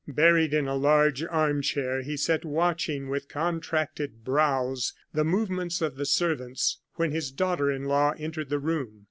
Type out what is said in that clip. Buried in a large arm chair, he sat watching, with contracted brows, the movements of the servants, when his daughter in law entered the room.